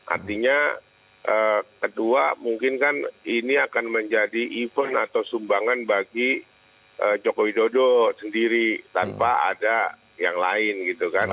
artinya kedua mungkin kan ini akan menjadi event atau sumbangan bagi jokowi dodo sendiri tanpa ada yang lain gitu kan